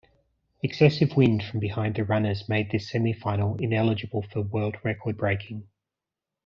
Excessive wind from behind the runners made this semifinal ineligible for world record breaking.